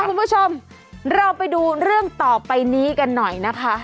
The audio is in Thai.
คุณผู้ชมเราไปดูเรื่องต่อไปนี้กันหน่อยนะคะ